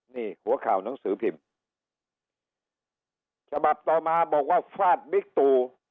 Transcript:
นี่หัวข่าวหนังสือพิมพ์ฉบับต่อมาบอกว่าฟาดบิ๊กตู